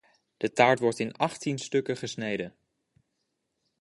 De taart wordt in achttien stukken gesneden.